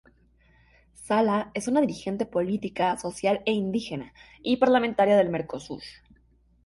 Sala es una dirigente política, social e indígena, y parlamentaria del Mercosur.